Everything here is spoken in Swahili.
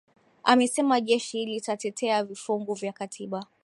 amesema jeshi litatetea vifungu vya katiba